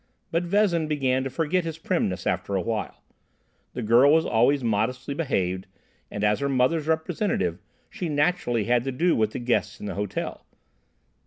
But Vezin began to forget his primness after awhile. The girl was always modestly behaved, and as her mother's representative she naturally had to do with the guests in the hotel.